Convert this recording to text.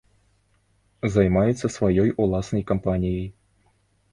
Займаюцца сваёй уласнай кампаніяй.